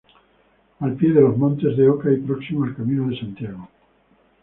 Al pie de los Montes de Oca y próximo al Camino de Santiago.